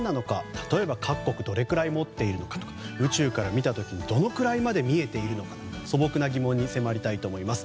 例えば各国どれくらい持っているかとか宇宙から見た時にどのくらいまで見えているのか素朴な疑問に迫りたいと思います。